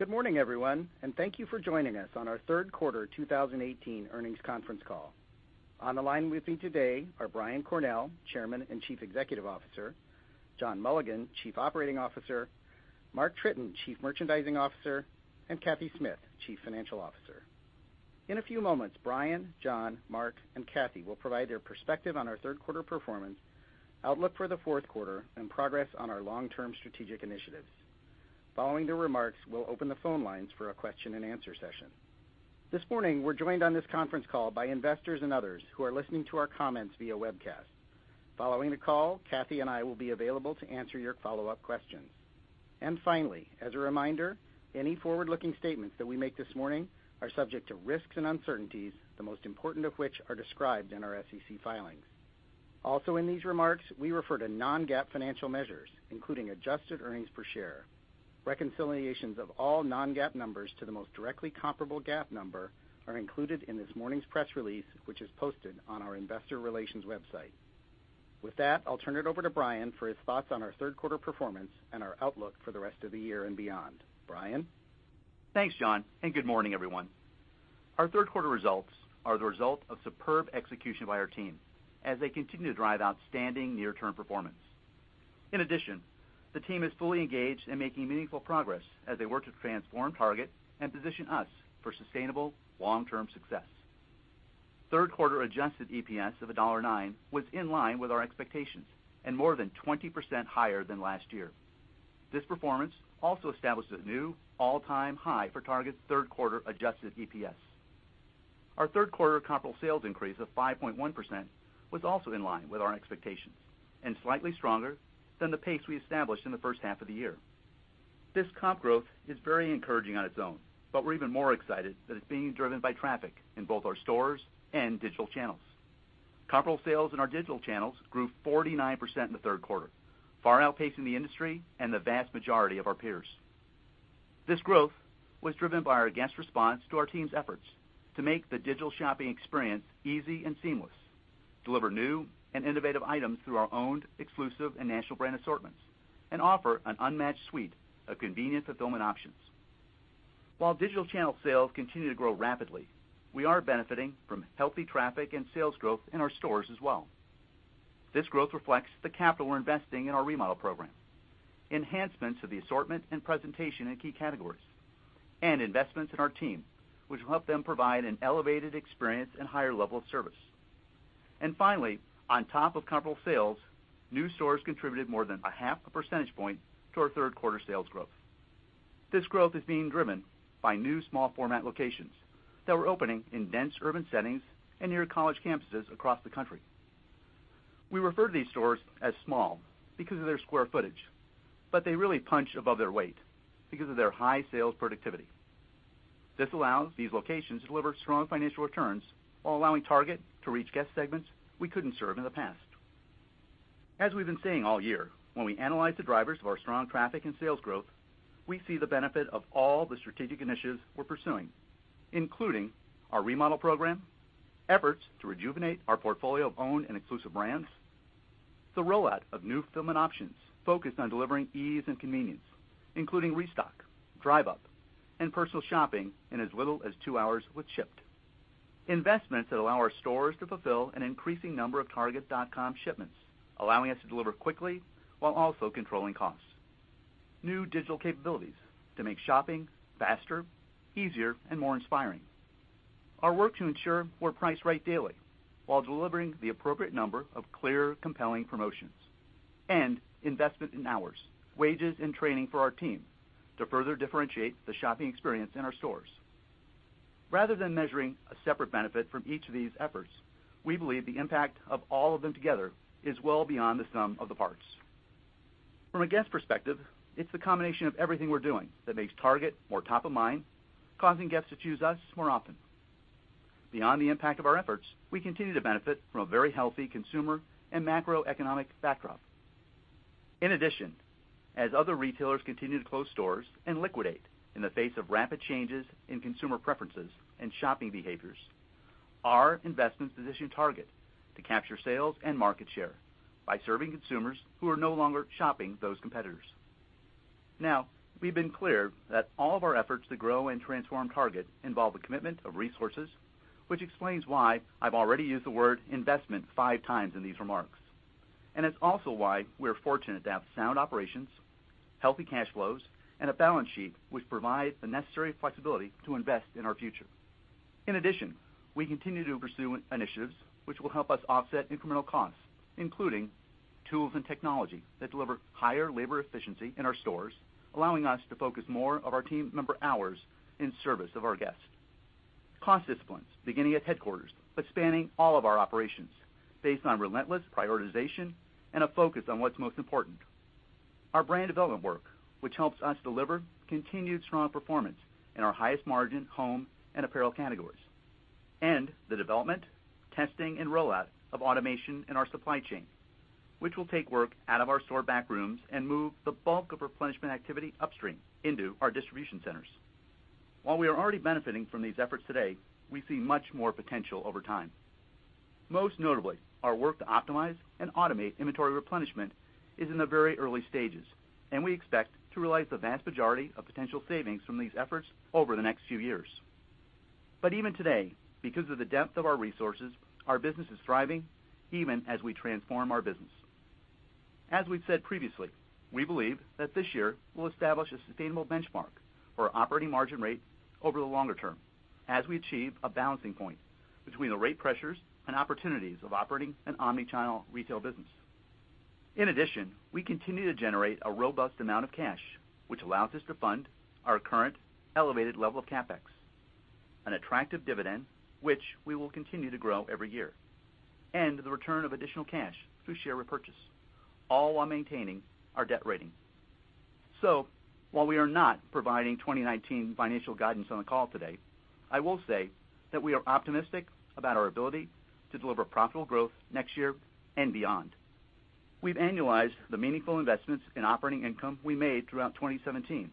Good morning, everyone, and thank you for joining us on our third quarter 2018 earnings conference call. On the line with me today are Brian Cornell, Chairman and Chief Executive Officer, John Mulligan, Chief Operating Officer, Mark Tritton, Chief Merchandising Officer, and Cathy Smith, Chief Financial Officer. In a few moments, Brian, John, Mark, and Cathy will provide their perspective on our third quarter performance, outlook for the fourth quarter, and progress on our long-term strategic initiatives. Following their remarks, we will open the phone lines for a question-and-answer session. This morning, we are joined on this conference call by investors and others who are listening to our comments via webcast. Following the call, Cathy and I will be available to answer your follow-up questions. Finally, as a reminder, any forward-looking statements that we make this morning are subject to risks and uncertainties, the most important of which are described in our SEC filings. Also in these remarks, we refer to non-GAAP financial measures, including adjusted earnings per share. Reconciliations of all non-GAAP numbers to the most directly comparable GAAP number are included in this morning's press release, which is posted on our investor relations website. With that, I will turn it over to Brian for his thoughts on our third quarter performance and our outlook for the rest of the year and beyond. Brian? Thanks, John, and good morning, everyone. Our third quarter results are the result of superb execution by our team as they continue to drive outstanding near-term performance. In addition, the team is fully engaged in making meaningful progress as they work to transform Target and position us for sustainable long-term success. Third quarter adjusted EPS of $1.09 was in line with our expectations and more than 20% higher than last year. This performance also established a new all-time high for Target's third quarter adjusted EPS. Our third quarter comparable sales increase of 5.1% was also in line with our expectations, and slightly stronger than the pace we established in the first half of the year. This comp growth is very encouraging on its own, but we are even more excited that it is being driven by traffic in both our stores and digital channels. Comparable sales in our digital channels grew 49% in the third quarter, far outpacing the industry and the vast majority of our peers. This growth was driven by our guests' response to our team's efforts to make the digital shopping experience easy and seamless, deliver new and innovative items through our owned, exclusive, and national brand assortments, and offer an unmatched suite of convenient fulfillment options. While digital channel sales continue to grow rapidly, we are benefiting from healthy traffic and sales growth in our stores as well. This growth reflects the capital we are investing in our remodel program, enhancements to the assortment and presentation in key categories, and investments in our team, which will help them provide an elevated experience and higher level of service. Finally, on top of comparable sales, new stores contributed more than a half a percentage point to our third quarter sales growth. This growth is being driven by new small format locations that we're opening in dense urban settings and near college campuses across the country. We refer to these stores as small because of their square footage, but they really punch above their weight because of their high sales productivity. This allows these locations to deliver strong financial returns while allowing Target to reach guest segments we couldn't serve in the past. As we've been saying all year, when we analyze the drivers of our strong traffic and sales growth, we see the benefit of all the strategic initiatives we're pursuing, including our remodel program, efforts to rejuvenate our portfolio of owned and exclusive brands, the rollout of new fulfillment options focused on delivering ease and convenience, including Restock, Drive Up, and personal shopping in as little as two hours with Shipt. Investments that allow our stores to fulfill an increasing number of target.com shipments, allowing us to deliver quickly while also controlling costs. New digital capabilities to make shopping faster, easier, and more inspiring. Our work to ensure we're priced right daily while delivering the appropriate number of clear, compelling promotions. And investment in hours, wages, and training for our team to further differentiate the shopping experience in our stores. Rather than measuring a separate benefit from each of these efforts, we believe the impact of all of them together is well beyond the sum of the parts. From a guest perspective, it's the combination of everything we're doing that makes Target more top of mind, causing guests to choose us more often. Beyond the impact of our efforts, we continue to benefit from a very healthy consumer and macroeconomic backdrop. In addition, as other retailers continue to close stores and liquidate in the face of rapid changes in consumer preferences and shopping behaviors, our investments position Target to capture sales and market share by serving consumers who are no longer shopping with those competitors. Now, we've been clear that all of our efforts to grow and transform Target involve a commitment of resources, which explains why I've already used the word investment five times in these remarks. And it's also why we're fortunate to have sound operations, healthy cash flows, and a balance sheet which provide the necessary flexibility to invest in our future. In addition, we continue to pursue initiatives which will help us offset incremental costs, including tools and technology that deliver higher labor efficiency in our stores, allowing us to focus more of our team member hours in service of our guests. Cost disciplines, beginning at headquarters, but spanning all of our operations based on relentless prioritization and a focus on what's most important. Our brand development work, which helps us deliver continued strong performance in our highest margin home and apparel categories. And the development, testing, and rollout of automation in our supply chain, which will take work out of our store back rooms and move the bulk of replenishment activity upstream into our distribution centers. While we are already benefiting from these efforts today, we see much more potential over time. Most notably, our work to optimize and automate inventory replenishment is in the very early stages, and we expect to realize the vast majority of potential savings from these efforts over the next few years. Even today, because of the depth of our resources, our business is thriving even as we transform our business. As we've said previously, we believe that this year will establish a sustainable benchmark for operating margin rate over the longer term as we achieve a balancing point between the rate pressures and opportunities of operating an omni-channel retail business. In addition, we continue to generate a robust amount of cash, which allows us to fund our current elevated level of CapEx, an attractive dividend, which we will continue to grow every year, and the return of additional cash through share repurchase, all while maintaining our debt rating. While we are not providing 2019 financial guidance on the call today, I will say that we are optimistic about our ability to deliver profitable growth next year and beyond. We've annualized the meaningful investments in operating income we made throughout 2017,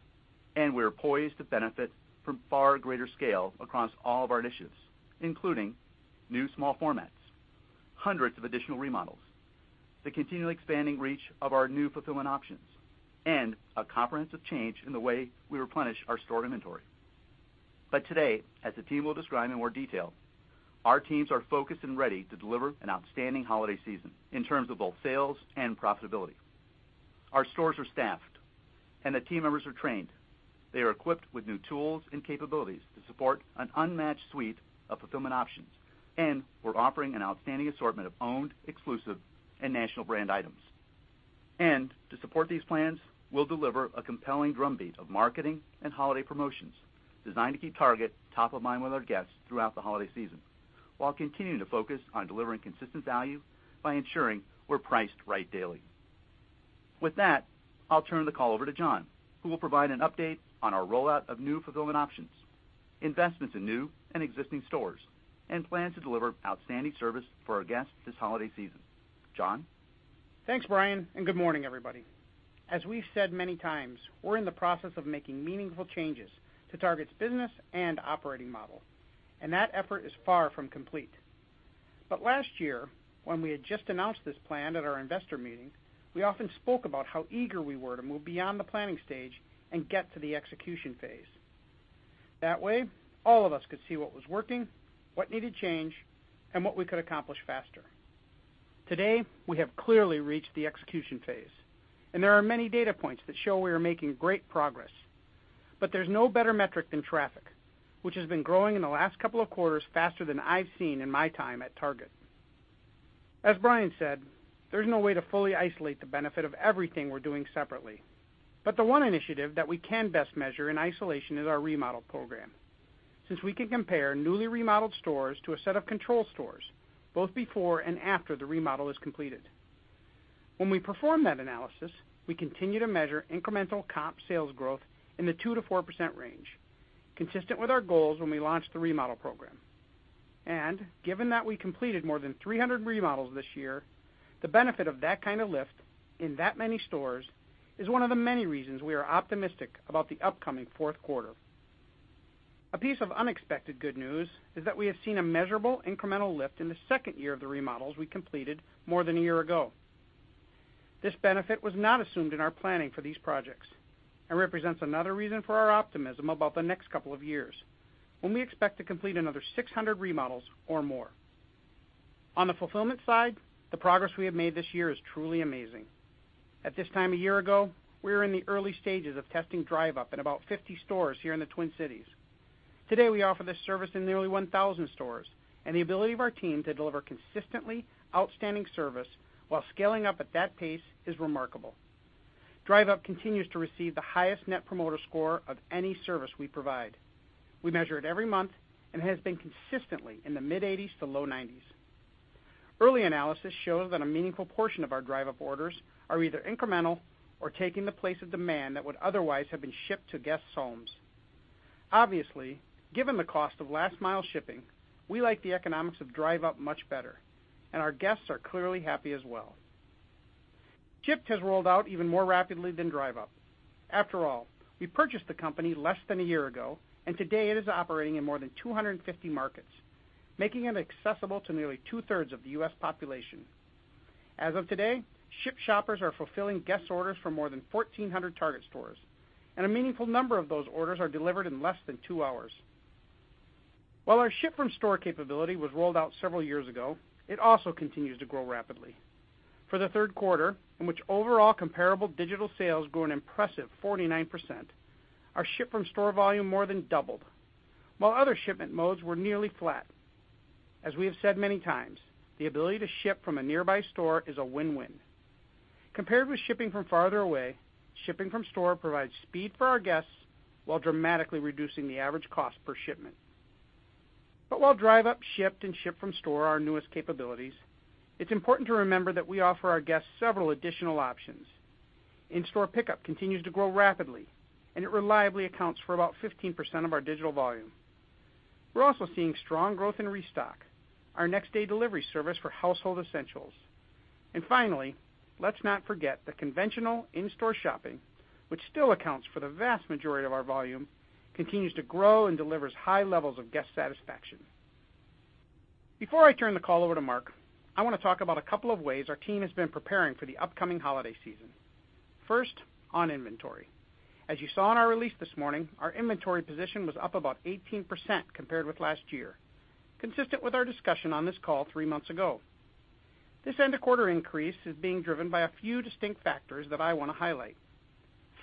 and we're poised to benefit from far greater scale across all of our initiatives, including new small formats, hundreds of additional remodels, the continually expanding reach of our new fulfillment options, and a comprehensive change in the way we replenish our stored inventory. Today, as the team will describe in more detail, our teams are focused and ready to deliver an outstanding holiday season in terms of both sales and profitability. Our stores are staffed and the team members are trained. They are equipped with new tools and capabilities to support an unmatched suite of fulfillment options. We're offering an outstanding assortment of owned, exclusive, and national brand items. To support these plans, we'll deliver a compelling drumbeat of marketing and holiday promotions designed to keep Target top of mind with our guests throughout the holiday season, while continuing to focus on delivering consistent value by ensuring we're priced right daily. With that, I'll turn the call over to John, who will provide an update on our rollout of new fulfillment options, investments in new and existing stores, and plans to deliver outstanding service for our guests this holiday season. John? Thanks, Brian, and good morning, everybody. As we've said many times, we're in the process of making meaningful changes to Target's business and operating model, and that effort is far from complete. Last year, when we had just announced this plan at our investor meeting, we often spoke about how eager we were to move beyond the planning stage and get to the execution phase. That way, all of us could see what was working, what needed change, and what we could accomplish faster. Today, we have clearly reached the execution phase, and there are many data points that show we are making great progress. There's no better metric than traffic, which has been growing in the last couple of quarters faster than I've seen in my time at Target. As Brian said, there's no way to fully isolate the benefit of everything we're doing separately. The one initiative that we can best measure in isolation is our remodel program, since we can compare newly remodeled stores to a set of control stores both before and after the remodel is completed. When we perform that analysis, we continue to measure incremental comp sales growth in the 2%-4% range, consistent with our goals when we launched the remodel program. Given that we completed more than 300 remodels this year, the benefit of that kind of lift in that many stores is one of the many reasons we are optimistic about the upcoming fourth quarter. A piece of unexpected good news is that we have seen a measurable incremental lift in the second year of the remodels we completed more than a year ago. This benefit was not assumed in our planning for these projects and represents another reason for our optimism about the next couple of years, when we expect to complete another 600 remodels or more. On the fulfillment side, the progress we have made this year is truly amazing. At this time a year ago, we were in the early stages of testing Drive Up in about 50 stores here in the Twin Cities. Today, we offer this service in nearly 1,000 stores, and the ability of our team to deliver consistently outstanding service while scaling up at that pace is remarkable. Drive Up continues to receive the highest Net Promoter Score of any service we provide. We measure it every month, and it has been consistently in the mid 80s to low 90s. Early analysis shows that a meaningful portion of our Drive Up orders are either incremental or taking the place of demand that would otherwise have been shipped to guests' homes. Obviously, given the cost of last mile shipping, we like the economics of Drive Up much better, and our guests are clearly happy as well. Shipt has rolled out even more rapidly than Drive Up. After all, we purchased the company less than a year ago, and today it is operating in more than 250 markets, making it accessible to nearly 2/3 of the U.S. population. As of today, Shipt shoppers are fulfilling guest orders for more than 1,400 Target stores, and a meaningful number of those orders are delivered in less than two hours. While our Ship From Store capability was rolled out several years ago, it also continues to grow rapidly. For the third quarter, in which overall comparable digital sales grew an impressive 49%, our Ship From Store volume more than doubled, while other shipment modes were nearly flat. As we have said many times, the ability to ship from a nearby store is a win-win. Compared with shipping from farther away, shipping from store provides speed for our guests while dramatically reducing the average cost per shipment. While Drive Up, Shipt, and Ship From Store are our newest capabilities, it's important to remember that we offer our guests several additional options. In-store pickup continues to grow rapidly, and it reliably accounts for about 15% of our digital volume. We're also seeing strong growth in Restock, our next-day delivery service for household essentials. Finally, let's not forget the conventional in-store shopping, which still accounts for the vast majority of our volume, continues to grow and delivers high levels of guest satisfaction. Before I turn the call over to Mark, I want to talk about a couple of ways our team has been preparing for the upcoming holiday season. First, on inventory. As you saw in our release this morning, our inventory position was up about 18% compared with last year, consistent with our discussion on this call three months ago. This end-of-quarter increase is being driven by a few distinct factors that I want to highlight.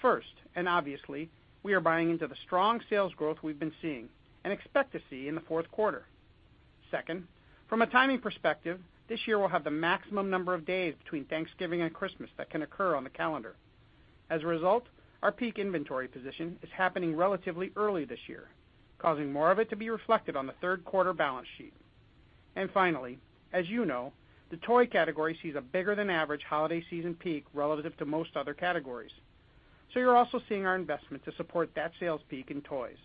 First, and obviously, we are buying into the strong sales growth we've been seeing and expect to see in the fourth quarter. Second, from a timing perspective, this year will have the maximum number of days between Thanksgiving and Christmas that can occur on the calendar. A result, our peak inventory position is happening relatively early this year, causing more of it to be reflected on the third quarter balance sheet. Finally, as you know, the toy category sees a bigger than average holiday season peak relative to most other categories. You're also seeing our investment to support that sales peak in toys.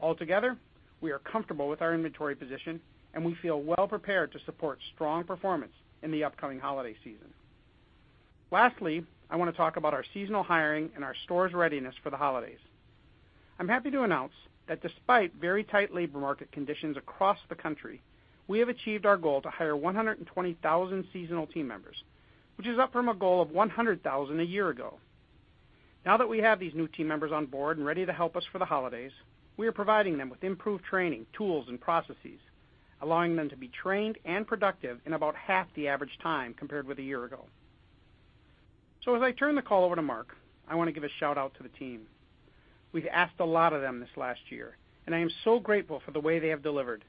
Altogether, we are comfortable with our inventory position, and we feel well prepared to support strong performance in the upcoming holiday season. Lastly, I want to talk about our seasonal hiring and our stores' readiness for the holidays. I'm happy to announce that despite very tight labor market conditions across the country, we have achieved our goal to hire 120,000 seasonal team members, which is up from a goal of 100,000 a year ago. That we have these new team members on board and ready to help us for the holidays, we are providing them with improved training, tools, and processes, allowing them to be trained and productive in about half the average time compared with a year ago. As I turn the call over to Mark, I want to give a shout-out to the team. We've asked a lot of them this last year, and I am so grateful for the way they have delivered.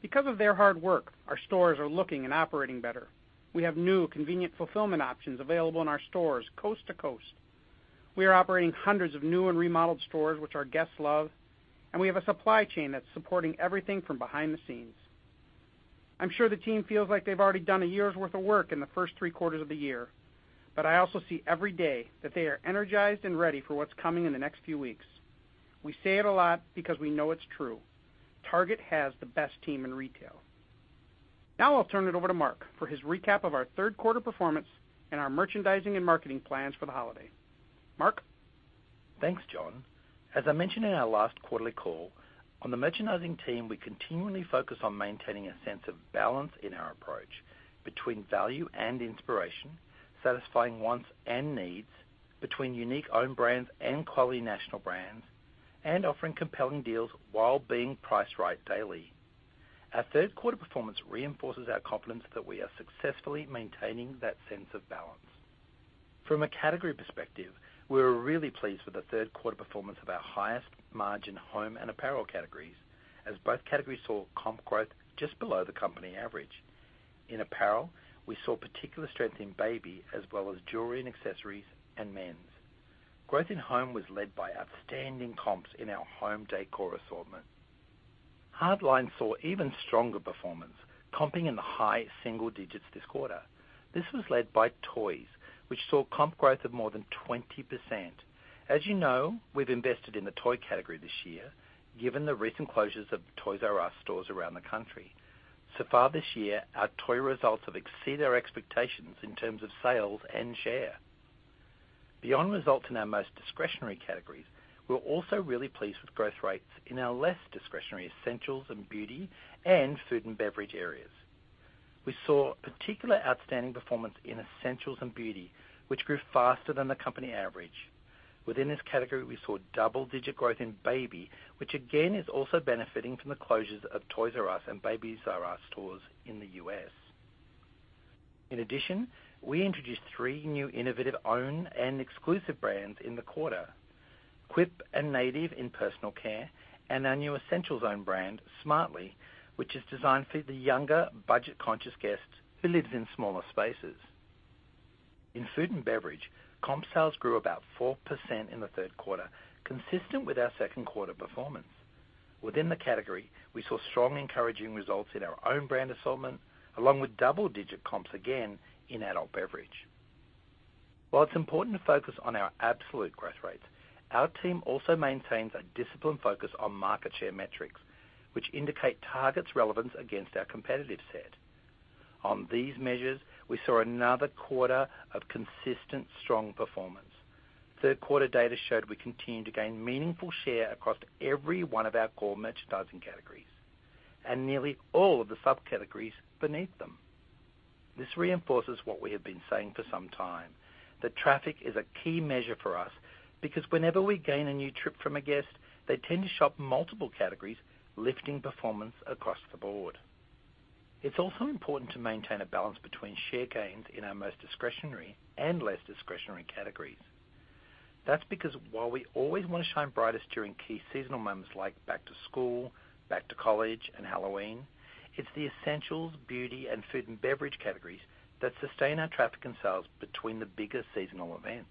Because of their hard work, our stores are looking and operating better. We have new convenient fulfillment options available in our stores coast to coast. We are operating hundreds of new and remodeled stores, which our guests love. We have a supply chain that's supporting everything from behind the scenes. I'm sure the team feels like they've already done a year's worth of work in the first three quarters of the year, I also see every day that they are energized and ready for what's coming in the next few weeks. We say it a lot because we know it's true. Target has the best team in retail. I'll turn it over to Mark for his recap of our third quarter performance and our merchandising and marketing plans for the holiday. Mark? Thanks, John. As I mentioned in our last quarterly call, on the merchandising team, we continually focus on maintaining a sense of balance in our approach between value and inspiration, satisfying wants and needs, between unique own brands and quality national brands, and offering compelling deals while being priced right daily. Our third quarter performance reinforces our confidence that we are successfully maintaining that sense of balance. From a category perspective, we're really pleased with the third quarter performance of our highest margin home and apparel categories, as both categories saw comp growth just below the company average. In apparel, we saw particular strength in baby as well as jewelry and accessories and men's. Growth in home was led by outstanding comps in our home decor assortment. Hardline saw even stronger performance, comping in the high single digits this quarter. This was led by toys, which saw comp growth of more than 20%. As you know, we've invested in the toy category this year, given the recent closures of Toys R Us stores around the country. Far this year, our toy results have exceeded our expectations in terms of sales and share. Beyond results in our most discretionary categories, we're also really pleased with growth rates in our less discretionary essentials and beauty and food and beverage areas. We saw particular outstanding performance in essentials and beauty, which grew faster than the company average. Within this category, we saw double-digit growth in baby, which again is also benefiting from the closures of Toys R Us and Babies R Us stores in the U.S. In addition, we introduced three new innovative own and exclusive brands in the quarter, quip and Native in personal care, and our new essentials own brand, Smartly, which is designed for the younger budget-conscious guests who live in smaller spaces. In food and beverage, comp sales grew about 4% in the third quarter, consistent with our second quarter performance. Within the category, we saw strong encouraging results in our own brand assortment, along with double-digit comps again in adult beverage. While it's important to focus on our absolute growth rates, our team also maintains a disciplined focus on market share metrics, which indicate Target's relevance against our competitive set. On these measures, we saw another quarter of consistent strong performance. Third quarter data showed we continued to gain meaningful share across every one of our core merchandising categories and nearly all of the subcategories beneath them. This reinforces what we have been saying for some time, that traffic is a key measure for us because whenever we gain a new trip from a guest, they tend to shop multiple categories, lifting performance across the board. It's also important to maintain a balance between share gains in our most discretionary and less discretionary categories. That's because while we always want to shine brightest during key seasonal moments like back to school, back to college, and Halloween, it's the essentials, beauty, and food and beverage categories that sustain our traffic and sales between the bigger seasonal events.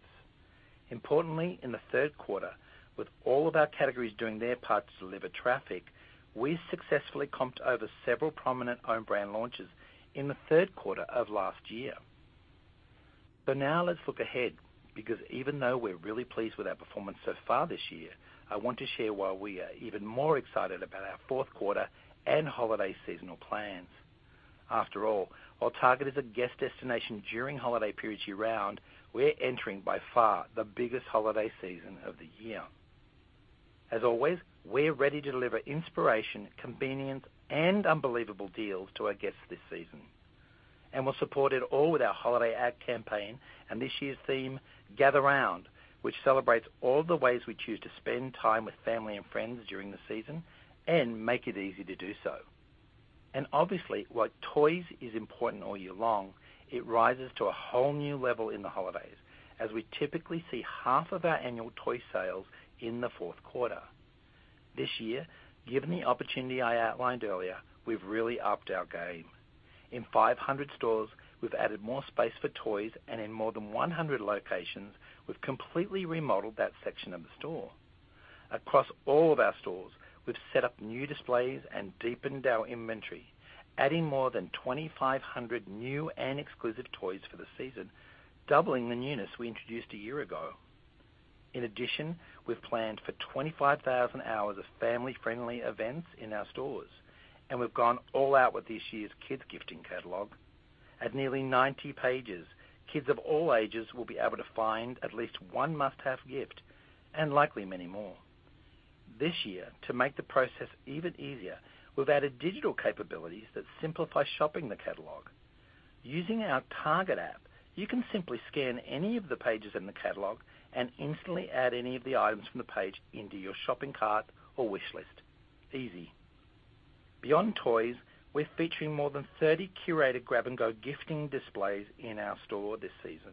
Importantly, in the third quarter, with all of our categories doing their part to deliver traffic, we successfully comped over several prominent own brand launches in the third quarter of last year. Now let's look ahead, because even though we're really pleased with our performance so far this year, I want to share why we are even more excited about our fourth quarter and holiday seasonal plans. After all, while Target is a guest destination during holiday periods year-round, we're entering by far the biggest holiday season of the year. As always, we're ready to deliver inspiration, convenience, and unbelievable deals to our guests this season. We'll support it all with our holiday ad campaign and this year's theme, Gather Round, which celebrates all the ways we choose to spend time with family and friends during the season and make it easy to do so. Obviously, while toys is important all year long, it rises to a whole new level in the holidays, as we typically see half of our annual toy sales in the fourth quarter. This year, given the opportunity I outlined earlier, we've really upped our game. In 500 stores, we've added more space for toys, and in more than 100 locations, we've completely remodeled that section of the store. Across all of our stores, we've set up new displays and deepened our inventory, adding more than 2,500 new and exclusive toys for the season, doubling the newness we introduced a year ago. In addition, we've planned for 25,000 hours of family-friendly events in our stores. We've gone all out with this year's kids gifting catalog. At nearly 90 pages, kids of all ages will be able to find at least one must-have gift, and likely many more. This year, to make the process even easier, we've added digital capabilities that simplify shopping the catalog. Using our Target app, you can simply scan any of the pages in the catalog and instantly add any of the items from the page into your shopping cart or wish list. Easy. Beyond toys, we're featuring more than 30 curated grab-and-go gifting displays in our store this season.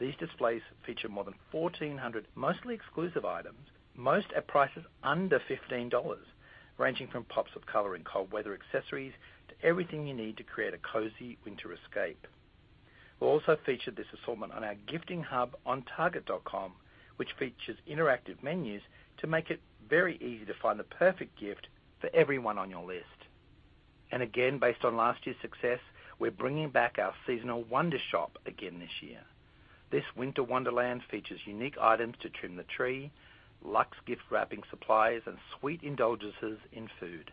These displays feature more than 1,400 mostly exclusive items, most at prices under $15, ranging from pops of color and cold weather accessories to everything you need to create a cozy winter escape. We'll also feature this assortment on our gifting hub on target.com, which features interactive menus to make it very easy to find the perfect gift for everyone on your list. Again, based on last year's success, we're bringing back our seasonal Wondershop again this year. This winter wonderland features unique items to trim the tree, luxe gift wrapping supplies, and sweet indulgences in food.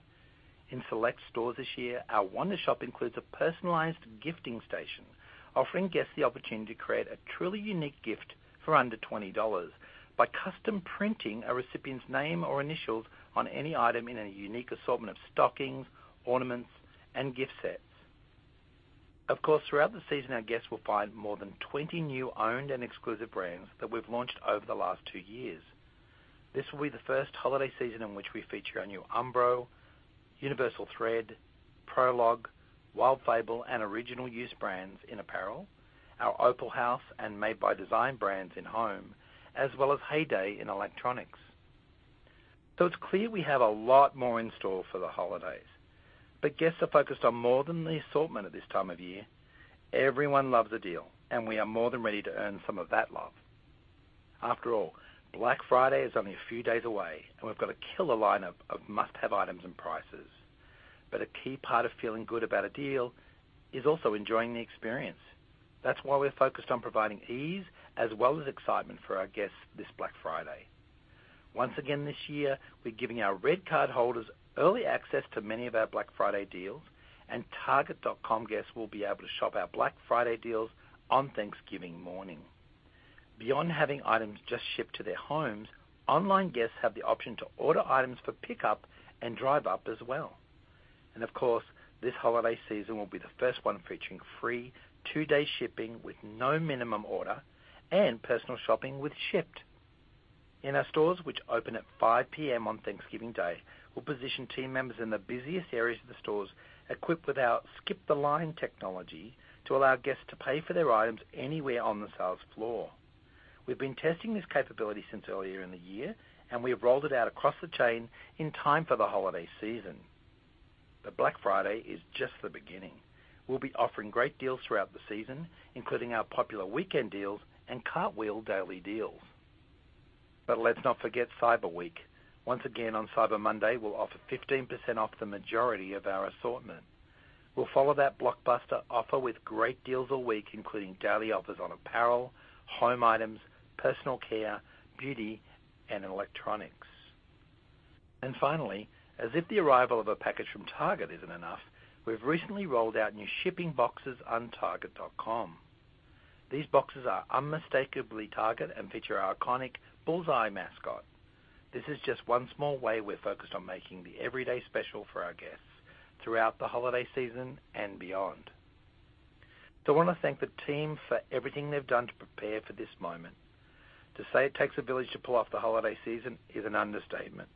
In select stores this year, our Wondershop includes a personalized gifting station, offering guests the opportunity to create a truly unique gift for under $20 by custom printing a recipient's name or initials on any item in a unique assortment of stockings, ornaments, and gift sets. Of course, throughout the season, our guests will find more than 20 new owned and exclusive brands that we've launched over the last two years. This will be the first holiday season in which we feature our new Umbro, Universal Thread, Prologue, Wild Fable, and Original Use brands in apparel, our Opalhouse and Made by Design brands in home, as well as Heyday in electronics. It's clear we have a lot more in store for the holidays. Guests are focused on more than the assortment at this time of year. Everyone loves a deal, we are more than ready to earn some of that love. After all, Black Friday is only a few days away, we've got a killer lineup of must-have items and prices. A key part of feeling good about a deal is also enjoying the experience. That's why we're focused on providing ease as well as excitement for our guests this Black Friday. Once again this year, we're giving our RedCard holders early access to many of our Black Friday deals, target.com guests will be able to shop our Black Friday deals on Thanksgiving morning. Beyond having items just shipped to their homes, online guests have the option to order items for pickup and Drive Up as well. Of course, this holiday season will be the first one featuring free two-day shipping with no minimum order and personal shopping with Shipt. In our stores, which open at 5:00 P.M. on Thanksgiving Day, we'll position team members in the busiest areas of the stores equipped with our Skip the Line technology to allow guests to pay for their items anywhere on the sales floor. We've been testing this capability since earlier in the year, we have rolled it out across the chain in time for the holiday season. Black Friday is just the beginning. We'll be offering great deals throughout the season, including our popular weekend deals and Cartwheel daily deals. Let's not forget Cyber Week. Once again, on Cyber Monday, we'll offer 15% off the majority of our assortment. We'll follow that blockbuster offer with great deals all week, including daily offers on apparel, home items, personal care, beauty, and electronics. Finally, as if the arrival of a package from Target isn't enough, we've recently rolled out new shipping boxes on target.com. These boxes are unmistakably Target and feature our iconic bull's-eye mascot. This is just one small way we're focused on making the everyday special for our guests throughout the holiday season and beyond. I want to thank the team for everything they've done to prepare for this moment. To say it takes a village to pull off the holiday season is an understatement.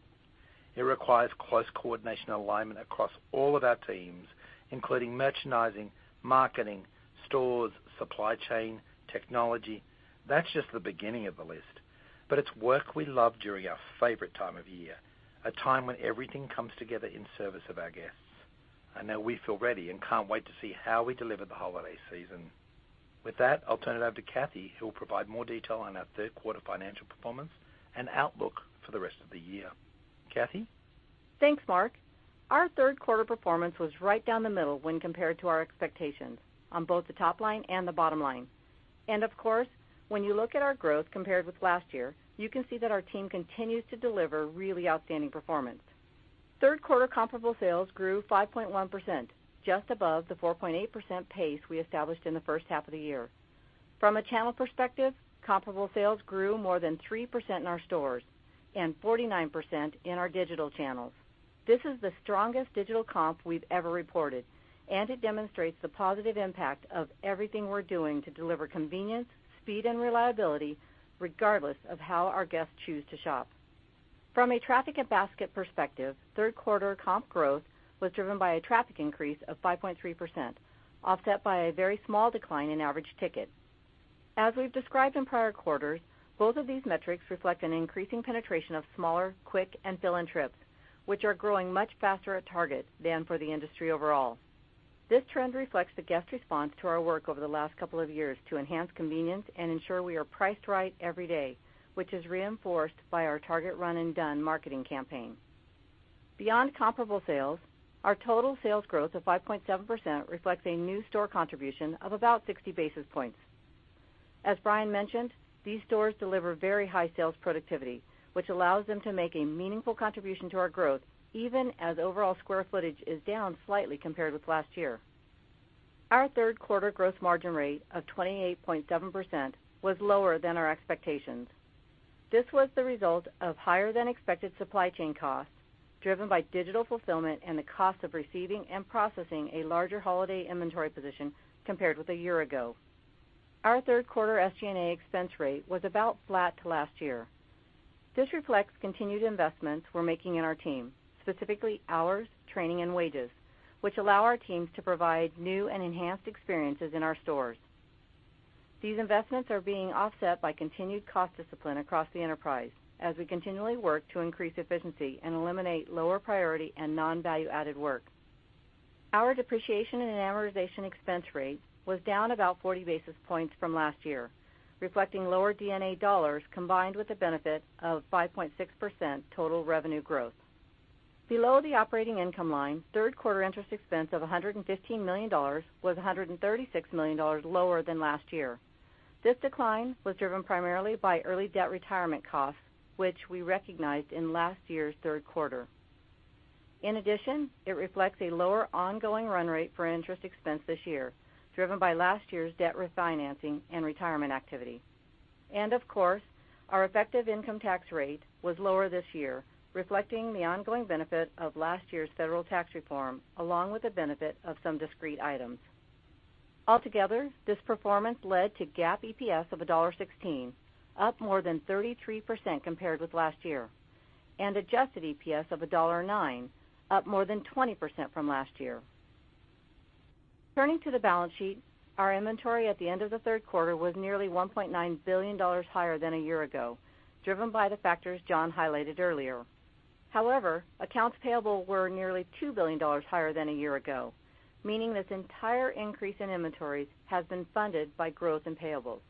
It requires close coordination and alignment across all of our teams, including merchandising, marketing, stores, supply chain, technology. That's just the beginning of the list. It's work we love during our favorite time of year, a time when everything comes together in service of our guests. I know we feel ready and can't wait to see how we deliver the holiday season. With that, I'll turn it over to Cathy, who will provide more detail on our third quarter financial performance and outlook for the rest of the year. Cathy? Thanks, Mark. Our third quarter performance was right down the middle when compared to our expectations on both the top line and the bottom line. Of course, when you look at our growth compared with last year, you can see that our team continues to deliver really outstanding performance. Third quarter comparable sales grew 5.1%, just above the 4.8% pace we established in the first half of the year. From a channel perspective, comparable sales grew more than 3% in our stores and 49% in our digital channels. This is the strongest digital comp we've ever reported, and it demonstrates the positive impact of everything we're doing to deliver convenience, speed, and reliability, regardless of how our guests choose to shop. From a traffic and basket perspective, third quarter comp growth was driven by a traffic increase of 5.3%, offset by a very small decline in average ticket. As we've described in prior quarters, both of these metrics reflect an increasing penetration of smaller, quick, and fill-in trips, which are growing much faster at Target than for the industry overall. This trend reflects the guest response to our work over the last couple of years to enhance convenience and ensure we are priced right every day, which is reinforced by our Target Run and Done marketing campaign. Beyond comparable sales, our total sales growth of 5.7% reflects a new store contribution of about 60 basis points. As Brian mentioned, these stores deliver very high sales productivity, which allows them to make a meaningful contribution to our growth, even as overall square footage is down slightly compared with last year. Our third quarter gross margin rate of 28.7% was lower than our expectations. This was the result of higher-than-expected supply chain costs, driven by digital fulfillment and the cost of receiving and processing a larger holiday inventory position compared with a year ago. Our third quarter SG&A expense rate was about flat to last year. This reflects continued investments we're making in our team, specifically hours, training, and wages, which allow our teams to provide new and enhanced experiences in our stores. These investments are being offset by continued cost discipline across the enterprise as we continually work to increase efficiency and eliminate lower priority and non-value-added work. Our depreciation and amortization expense rate was down about 40 basis points from last year, reflecting lower D&A dollars, combined with the benefit of 5.6% total revenue growth. Below the operating income line, third quarter interest expense of $115 million was $136 million lower than last year. This decline was driven primarily by early debt retirement costs, which we recognized in last year's third quarter. In addition, it reflects a lower ongoing run rate for interest expense this year, driven by last year's debt refinancing and retirement activity. Of course, our effective income tax rate was lower this year, reflecting the ongoing benefit of last year's federal tax reform, along with the benefit of some discrete items. Altogether, this performance led to GAAP EPS of $1.16, up more than 33% compared with last year, and adjusted EPS of $1.09, up more than 20% from last year. Turning to the balance sheet, our inventory at the end of the third quarter was nearly $1.9 billion higher than a year ago, driven by the factors John highlighted earlier. However, accounts payable were nearly $2 billion higher than a year ago, meaning this entire increase in inventories has been funded by growth in payables.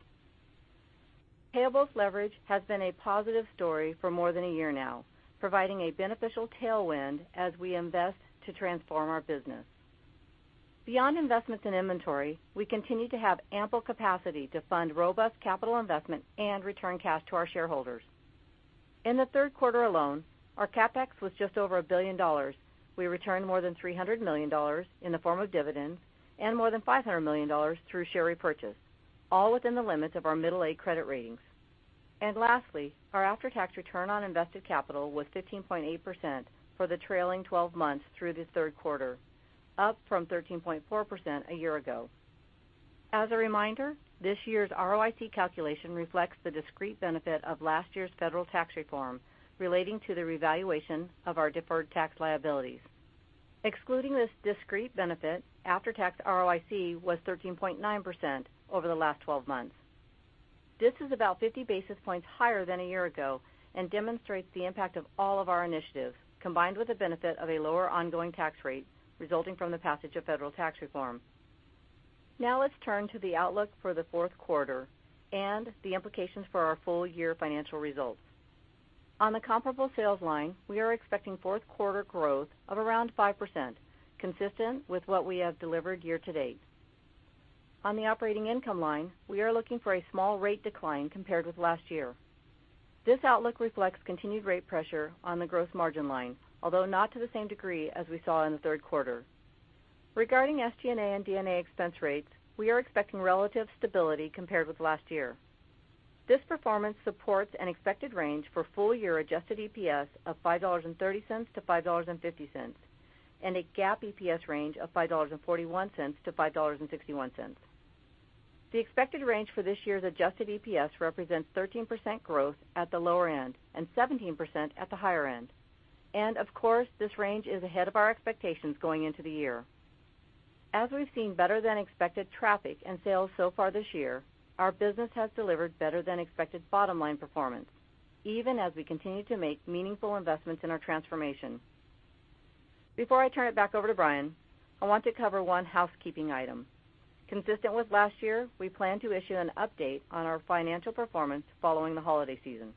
Payables leverage has been a positive story for more than a year now, providing a beneficial tailwind as we invest to transform our business. Beyond investments in inventory, we continue to have ample capacity to fund robust capital investment and return cash to our shareholders. In the third quarter alone, our CapEx was just over $1 billion. We returned more than $300 million in the form of dividends and more than $500 million through share repurchase, all within the limits of our middle A credit ratings. Lastly, our after-tax return on invested capital was 15.8% for the trailing 12 months through the third quarter, up from 13.4% a year ago. As a reminder, this year's ROIC calculation reflects the discrete benefit of last year's federal tax reform relating to the revaluation of our deferred tax liabilities. Excluding this discrete benefit, after-tax ROIC was 13.9% over the last 12 months. This is about 50 basis points higher than a year ago and demonstrates the impact of all of our initiatives, combined with the benefit of a lower ongoing tax rate resulting from the passage of federal tax reform. Let's turn to the outlook for the fourth quarter and the implications for our full year financial results. On the comparable sales line, we are expecting fourth quarter growth of around 5%, consistent with what we have delivered year-to-date. On the operating income line, we are looking for a small rate decline compared with last year. This outlook reflects continued rate pressure on the gross margin line, although not to the same degree as we saw in the third quarter. Regarding SG&A and D&A expense rates, we are expecting relative stability compared with last year. This performance supports an expected range for full year adjusted EPS of $5.30-$5.50 and a GAAP EPS range of $5.41-$5.61. The expected range for this year's adjusted EPS represents 13% growth at the lower end and 17% at the higher end. Of course, this range is ahead of our expectations going into the year. As we've seen better-than-expected traffic and sales so far this year, our business has delivered better-than-expected bottom-line performance, even as we continue to make meaningful investments in our transformation. Before I turn it back over to Brian, I want to cover one housekeeping item. Consistent with last year, we plan to issue an update on our financial performance following the holiday season.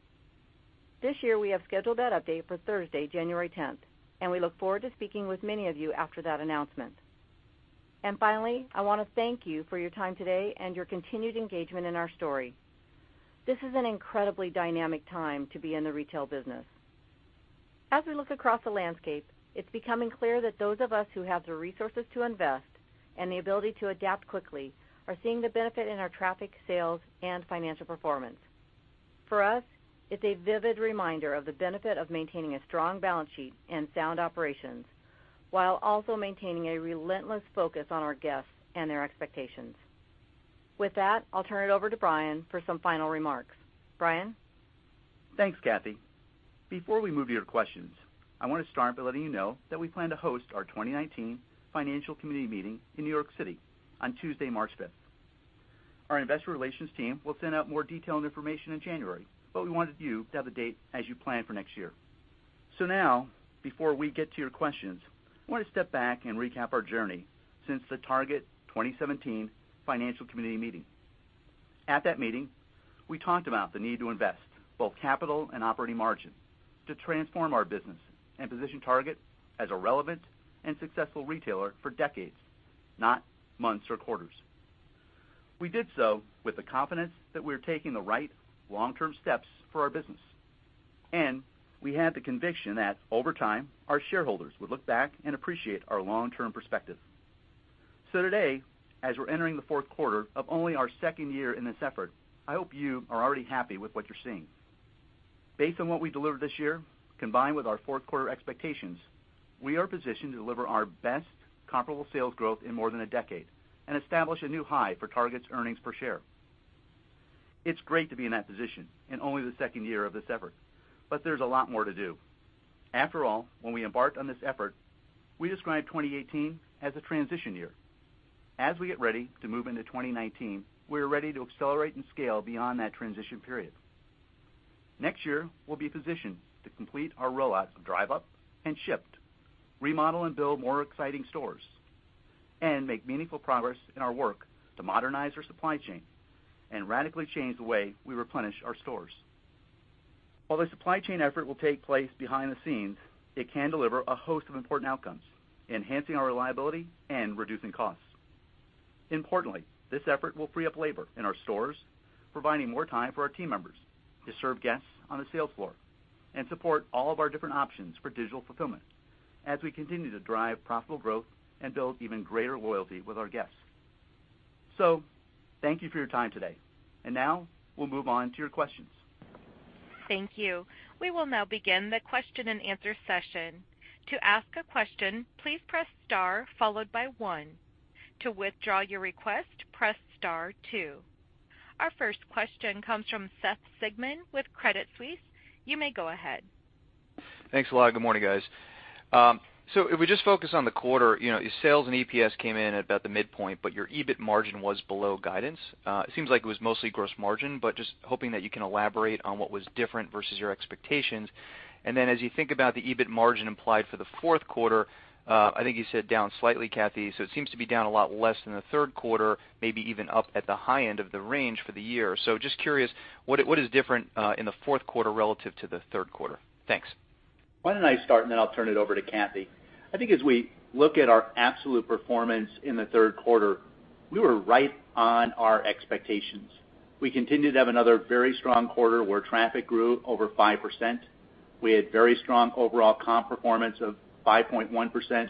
This year, we have scheduled that update for Thursday, January 10th, and we look forward to speaking with many of you after that announcement. Finally, I want to thank you for your time today and your continued engagement in our story. This is an incredibly dynamic time to be in the retail business. As we look across the landscape, it's becoming clear that those of us who have the resources to invest and the ability to adapt quickly are seeing the benefit in our traffic, sales, and financial performance. For us, it's a vivid reminder of the benefit of maintaining a strong balance sheet and sound operations, while also maintaining a relentless focus on our guests and their expectations. With that, I'll turn it over to Brian for some final remarks. Brian? Thanks, Cathy. Before we move to your questions, I want to start by letting you know that we plan to host our 2019 financial community meeting in New York City on Tuesday, March 5th. Our investor relations team will send out more detailed information in January, but we wanted you to have a date as you plan for next year. Now, before we get to your questions, I want to step back and recap our journey since the Target 2017 financial community meeting. At that meeting, we talked about the need to invest both capital and operating margin to transform our business and position Target as a relevant and successful retailer for decades, not months or quarters. We did so with the confidence that we were taking the right long-term steps for our business, and we had the conviction that over time, our shareholders would look back and appreciate our long-term perspective. Today, as we're entering the fourth quarter of only our second year in this effort, I hope you are already happy with what you're seeing. Based on what we delivered this year, combined with our fourth quarter expectations, we are positioned to deliver our best comparable sales growth in more than a decade and establish a new high for Target's earnings per share. It's great to be in that position in only the second year of this effort, but there's a lot more to do. After all, when we embarked on this effort, we described 2018 as a transition year. As we get ready to move into 2019, we're ready to accelerate and scale beyond that transition period. Next year, we'll be positioned to complete our rollouts of Drive Up and Shipt, remodel and build more exciting stores, and make meaningful progress in our work to modernize our supply chain and radically change the way we replenish our stores. While the supply chain effort will take place behind the scenes, it can deliver a host of important outcomes, enhancing our reliability and reducing costs. Importantly, this effort will free up labor in our stores, providing more time for our team members to serve guests on the sales floor and support all of our different options for digital fulfillment as we continue to drive profitable growth and build even greater loyalty with our guests. Thank you for your time today. Now we'll move on to your questions. Thank you. We will now begin the question and answer session. To ask a question, please press star followed by one. To withdraw your request, press star two. Our first question comes from Seth Sigman with Credit Suisse. You may go ahead. Thanks a lot. Good morning, guys. If we just focus on the quarter, your sales and EPS came in at about the midpoint, your EBIT margin was below guidance. It seems like it was mostly gross margin, just hoping that you can elaborate on what was different versus your expectations. As you think about the EBIT margin implied for the fourth quarter, I think you said down slightly, Cathy, it seems to be down a lot less than the third quarter, maybe even up at the high end of the range for the year. Just curious, what is different in the fourth quarter relative to the third quarter? Thanks. Why don't I start, and then I'll turn it over to Cathy. As we look at our absolute performance in the third quarter, we were right on our expectations. We continued to have another very strong quarter where traffic grew over 5%. We had very strong overall comp performance of 5.1%,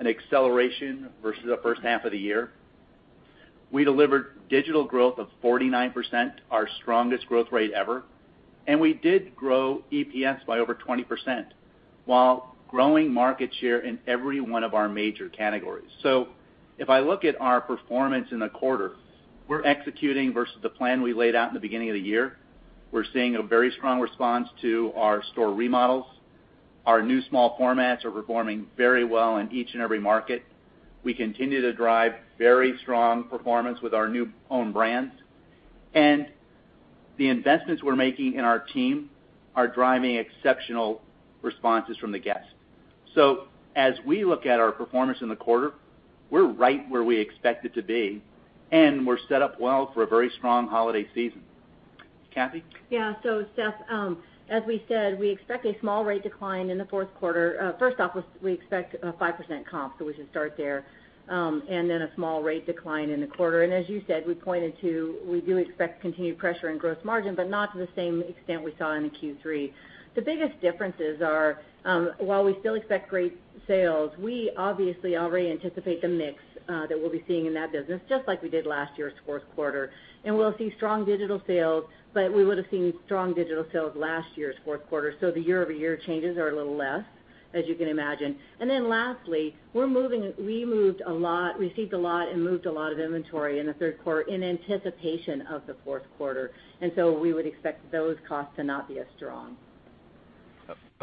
an acceleration versus the first half of the year. We delivered digital growth of 49%, our strongest growth rate ever. We did grow EPS by over 20% while growing market share in every one of our major categories. If I look at our performance in the quarter, we're executing versus the plan we laid out in the beginning of the year. We're seeing a very strong response to our store remodels. Our new small formats are performing very well in each and every market. We continue to drive very strong performance with our new own brands. The investments we're making in our team are driving exceptional responses from the guests. As we look at our performance in the quarter, we're right where we expected to be, and we're set up well for a very strong holiday season. Cathy? Seth, as we said, we expect a small rate decline in the fourth quarter. First off, we expect a 5% comp, we should start there, a small rate decline in the quarter. As you said, we pointed to, we do expect continued pressure in gross margin, not to the same extent we saw in Q3. The biggest differences are, while we still expect great sales, we obviously already anticipate the mix that we'll be seeing in that business, just like we did last year's fourth quarter. We'll see strong digital sales, we would've seen strong digital sales last year's fourth quarter. The year-over-year changes are a little less, as you can imagine. Lastly, we received a lot and moved a lot of inventory in the third quarter in anticipation of the fourth quarter. We would expect those costs to not be as strong.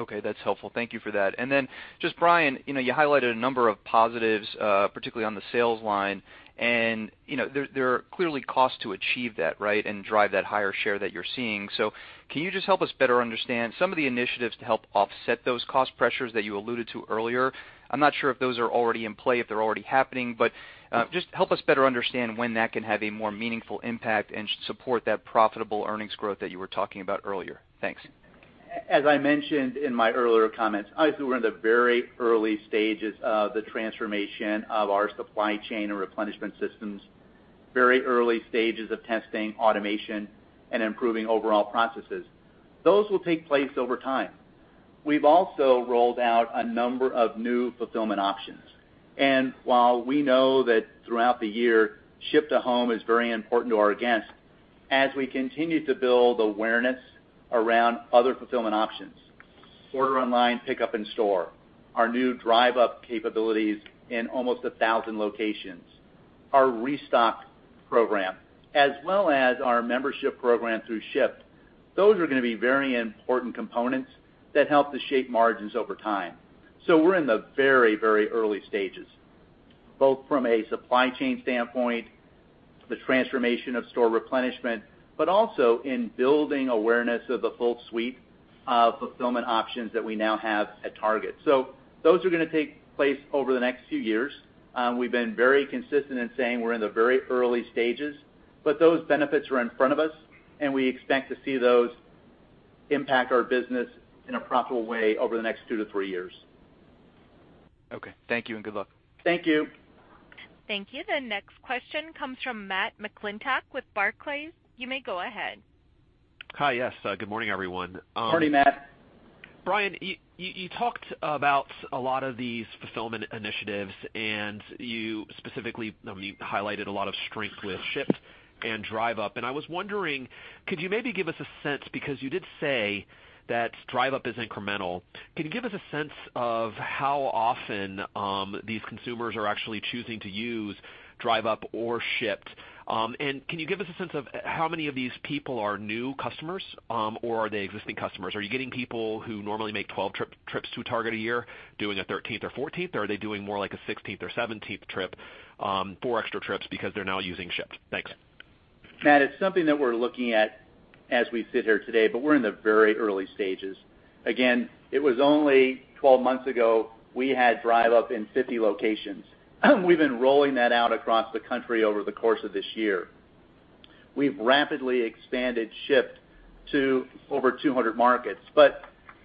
Okay, that's helpful. Thank you for that. Brian, you highlighted a number of positives, particularly on the sales line, and there are clearly costs to achieve that, right? Drive that higher share that you're seeing. Can you just help us better understand some of the initiatives to help offset those cost pressures that you alluded to earlier? I'm not sure if those are already in play, if they're already happening, but just help us better understand when that can have a more meaningful impact and support that profitable earnings growth that you were talking about earlier. Thanks. As I mentioned in my earlier comments, I think we're in the very early stages of the transformation of our supply chain and replenishment systems, very early stages of testing, automation, and improving overall processes. Those will take place over time. We've also rolled out a number of new fulfillment options. While we know that throughout the year, ship to home is very important to our guests, as we continue to build awareness around other fulfillment options, order online, pick up in store, our new Drive Up capabilities in almost 1,000 locations, our restock program, as well as our membership program through Shipt, those are going to be very important components that help to shape margins over time. We're in the very early stages, both from a supply chain standpoint, the transformation of store replenishment, but also in building awareness of the full suite of fulfillment options that we now have at Target. Those are going to take place over the next few years. We've been very consistent in saying we're in the very early stages, but those benefits are in front of us, and we expect to see those impact our business in a profitable way over the next two to three years. Okay. Thank you and good luck. Thank you. Thank you. The next question comes from Matt McClintock with Barclays. You may go ahead. Hi, yes. Good morning, everyone. Morning, Matt. Brian, you talked about a lot of these fulfillment initiatives, you specifically highlighted a lot of strength with Shipt and Drive Up. I was wondering, could you maybe give us a sense, because you did say that Drive Up is incremental. Can you give us a sense of how often these consumers are actually choosing to use Drive Up or Shipt? Can you give us a sense of how many of these people are new customers, or are they existing customers? Are you getting people who normally make 12 trips to a Target a year doing a 13th or 14th, or are they doing more like a 16th or 17th trip, four extra trips because they're now using Shipt? Thanks. Matt, it's something that we're looking at as we sit here today, we're in the very early stages. Again, it was only 12 months ago, we had Drive Up in 50 locations. We've been rolling that out across the country over the course of this year. We've rapidly expanded Shipt to over 200 markets,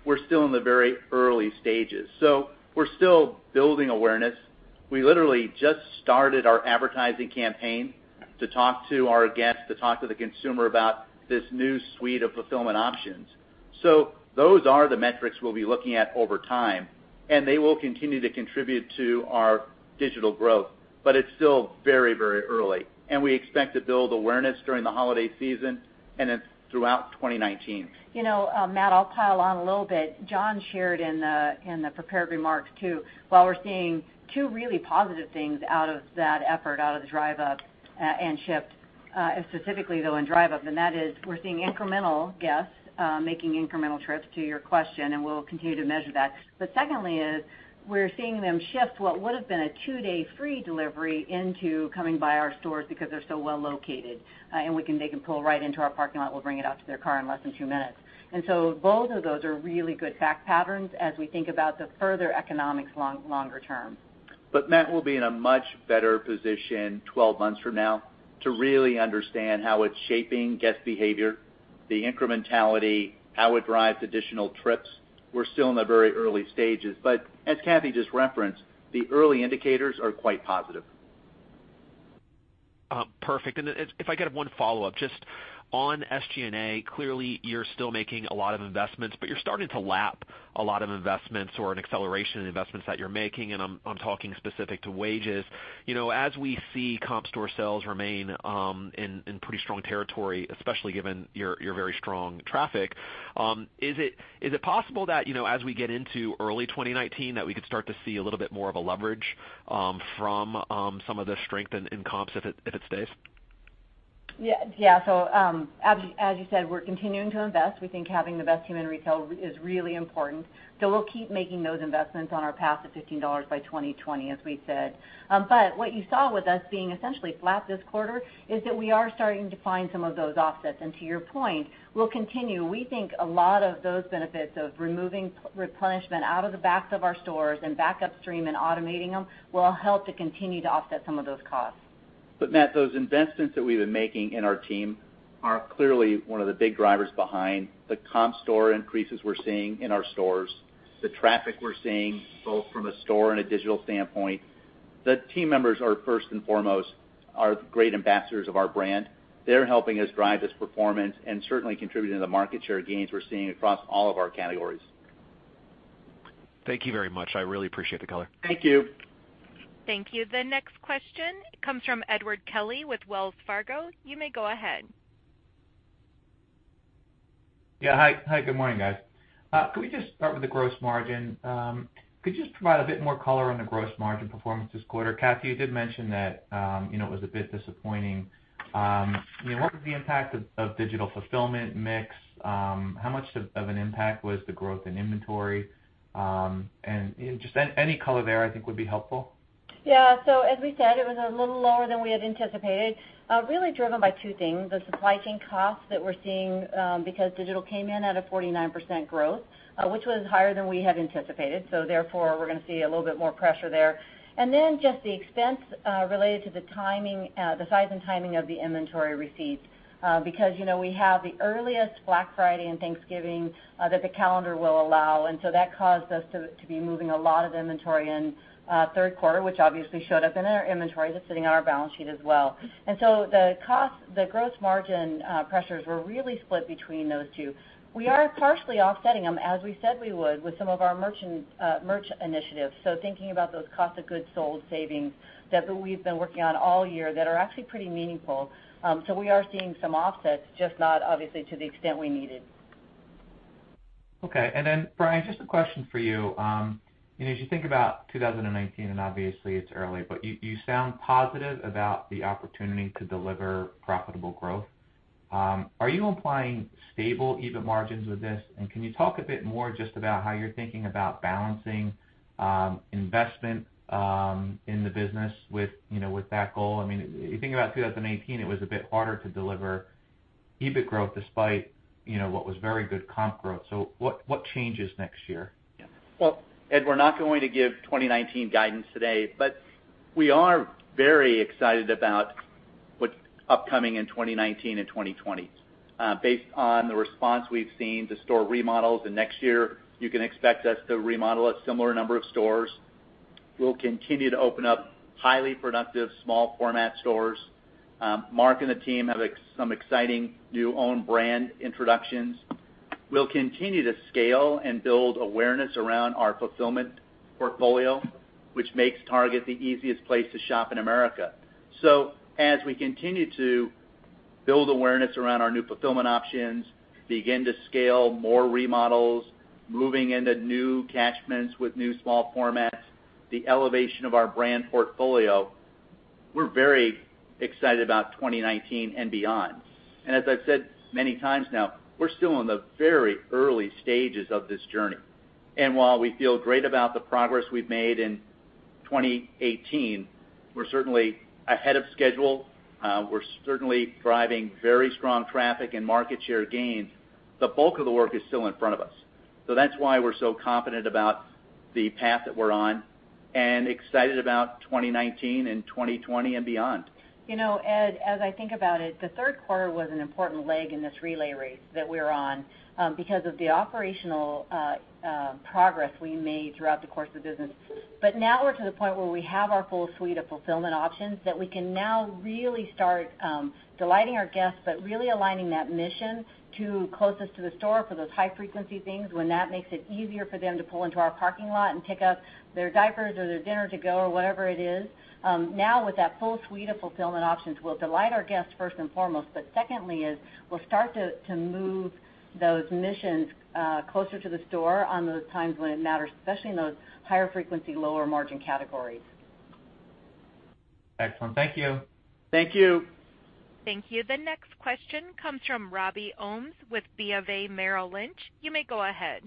we're still in the very early stages. We're still building awareness. We literally just started our advertising campaign to talk to our guests, to talk to the consumer about this new suite of fulfillment options. Those are the metrics we'll be looking at over time, and they will continue to contribute to our digital growth. It's still very early. We expect to build awareness during the holiday season and then throughout 2019. Matt, I'll pile on a little bit. John shared in the prepared remarks, too. While we're seeing two really positive things out of that effort, out of the Drive Up and Shipt, specifically, though, in Drive Up, that is we're seeing incremental guests making incremental trips to your question, and we'll continue to measure that. Secondly is we're seeing them shift what would've been a two-day free delivery into coming by our stores because they're so well located. They can pull right into our parking lot, we'll bring it out to their car in less than two minutes. Both of those are really good fact patterns as we think about the further economics longer term. Matt, we'll be in a much better position 12 months from now to really understand how it's shaping guest behavior, the incrementality, how it drives additional trips. We're still in the very early stages, as Cathy just referenced, the early indicators are quite positive. Perfect. If I could have one follow-up, just on SG&A, clearly you're still making a lot of investments, you're starting to lap a lot of investments or an acceleration in investments that you're making, and I'm talking specific to wages. As we see comp store sales remain in pretty strong territory, especially given your very strong traffic, is it possible that, as we get into early 2019, that we could start to see a little bit more of a leverage from some of the strength in comps if it stays? Yeah. As you said, we're continuing to invest. We think having the best human retail is really important. We'll keep making those investments on our path to $15 by 2020, as we said. What you saw with us being essentially flat this quarter is that we are starting to find some of those offsets. To your point, we'll continue. We think a lot of those benefits of removing replenishment out of the backs of our stores and back upstream and automating them will help to continue to offset some of those costs. Matt, those investments that we've been making in our team are clearly one of the big drivers behind the comp store increases we're seeing in our stores, the traffic we're seeing, both from a store and a digital standpoint. The team members are first and foremost, are great ambassadors of our brand. They're helping us drive this performance and certainly contributing to the market share gains we're seeing across all of our categories. Thank you very much. I really appreciate the color. Thank you. Thank you. The next question comes from Edward Kelly with Wells Fargo. You may go ahead. Yeah. Hi, good morning, guys. Can we just start with the gross margin? Could you just provide a bit more color on the gross margin performance this quarter? Cathy, you did mention that it was a bit disappointing. What was the impact of digital fulfillment mix? How much of an impact was the growth in inventory? Just any color there I think would be helpful. Yeah. As we said, it was a little lower than we had anticipated, really driven by two things: the supply chain costs that we're seeing, because digital came in at a 49% growth, which was higher than we had anticipated. Therefore, we're going to see a little bit more pressure there. Then just the expense related to the size and timing of the inventory receipts. Because we have the earliest Black Friday and Thanksgiving that the calendar will allow. That caused us to be moving a lot of inventory in third quarter, which obviously showed up in our inventory that's sitting on our balance sheet as well. The gross margin pressures were really split between those two. We are partially offsetting them, as we said we would, with some of our merch initiatives. Thinking about those cost of goods sold savings that we've been working on all year that are actually pretty meaningful. We are seeing some offsets, just not obviously to the extent we needed. Okay. Then Brian, just a question for you. As you think about 2019, and obviously it's early, but you sound positive about the opportunity to deliver profitable growth. Are you implying stable EBIT margins with this? Can you talk a bit more just about how you're thinking about balancing investment in the business with that goal? You think about 2018, it was a bit harder to deliver EBIT growth despite what was very good comp growth. What changes next year? Well, Ed, we're not going to give 2019 guidance today, but we are very excited about what's upcoming in 2019 and 2020. Based on the response we've seen to store remodels, next year you can expect us to remodel a similar number of stores. We'll continue to open up highly productive small format stores. Mark and the team have some exciting new own brand introductions. We'll continue to scale and build awareness around our fulfillment portfolio, which makes Target the easiest place to shop in America. As we continue to build awareness around our new fulfillment options, begin to scale more remodels, moving into new catchments with new small formats, the elevation of our brand portfolio, we're very excited about 2019 and beyond. As I've said many times now, we're still in the very early stages of this journey. While we feel great about the progress we've made in 2018, we're certainly ahead of schedule. We're certainly driving very strong traffic and market share gains. The bulk of the work is still in front of us. That's why we're so confident about the path that we're on and excited about 2019 and 2020 and beyond. Ed, as I think about it, the third quarter was an important leg in this relay race that we're on because of the operational progress we made throughout the course of business. We're to the point where we have our full suite of fulfillment options that we can now really start delighting our guests, but really aligning that mission to closest to the store for those high frequency things, when that makes it easier for them to pull into our parking lot and pick up their diapers or their dinner to go or whatever it is. Now with that full suite of fulfillment options, we'll delight our guests first and foremost, but secondly is we'll start to move those missions closer to the store on those times when it matters, especially in those higher frequency, lower margin categories. Excellent. Thank you. Thank you. Thank you. The next question comes from Robert Ohmes with BofA Merrill Lynch. You may go ahead.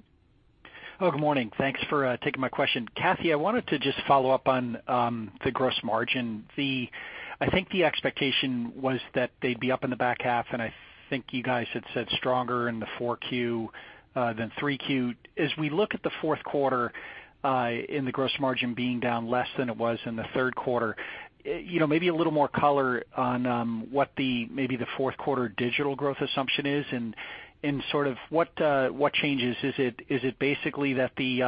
Good morning. Thanks for taking my question. Cathy, I wanted to just follow up on the gross margin. I think the expectation was that they'd be up in the back half, and I think you guys had said stronger in the 4Q than 3Q. As we look at the fourth quarter, in the gross margin being down less than it was in the third quarter, maybe a little more color on what maybe the fourth quarter digital growth assumption is and sort of what changes. Is it basically that the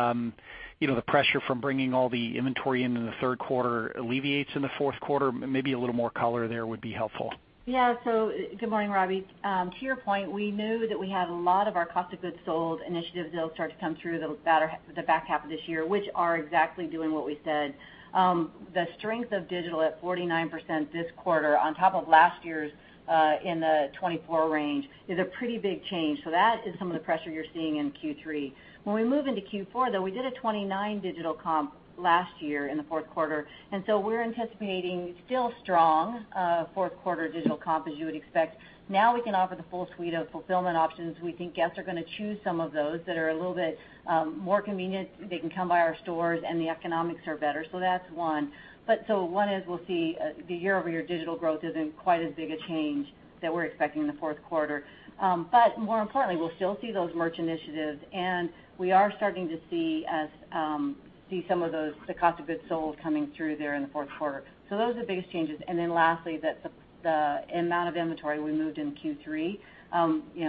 pressure from bringing all the inventory into the third quarter alleviates in the fourth quarter? Maybe a little more color there would be helpful. Good morning, Robbie. To your point, we knew that we had a lot of our cost of goods sold initiatives that'll start to come through the back half of this year, which are exactly doing what we said. The strength of digital at 49% this quarter on top of last year's in the 24 range is a pretty big change. That is some of the pressure you're seeing in Q3. When we move into Q4, though, we did a 29 digital comp last year in the fourth quarter, we're anticipating still strong fourth quarter digital comp as you would expect. Now we can offer the full suite of fulfillment options. We think guests are going to choose some of those that are a little bit more convenient. They can come by our stores and the economics are better. That's one. One is we'll see the year-over-year digital growth isn't quite as big a change that we're expecting in the fourth quarter. More importantly, we'll still see those merch initiatives, and we are starting to see some of those, the cost of goods sold coming through there in the fourth quarter. Those are the biggest changes. Lastly, the amount of inventory we moved in Q3.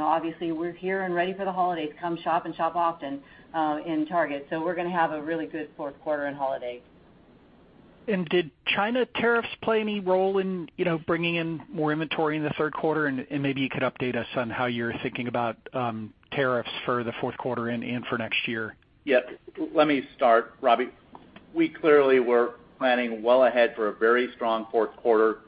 Obviously we're here and ready for the holidays, come shop and shop often in Target. We're going to have a really good fourth quarter and holiday. Did China tariffs play any role in bringing in more inventory in the third quarter? Maybe you could update us on how you're thinking about tariffs for the fourth quarter and for next year. Yeah. Let me start, Robbie. We clearly were planning well ahead for a very strong fourth quarter.